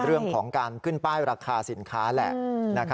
เรื่องของการขึ้นป้ายราคาสินค้าแหละ